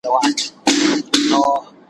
ما مي په تحفه کي وزرونه درته ایښي دي ,